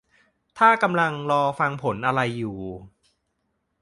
ถ้ากำลังรอฟังผลอะไรอยู่